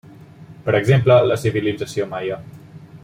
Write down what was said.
Per exemple, la civilització Maia.